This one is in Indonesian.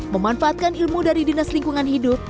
memanfaatkan ilmu dari dinas lingkungan hidup